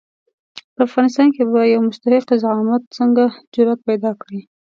په افغانستان کې به یو مستحق زعامت څنګه جرآت پیدا کړي.